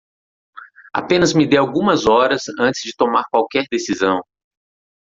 Apenas me dê algumas horas antes de tomar qualquer decisão.